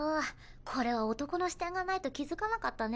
これは男の視点がないと気付かなかったね。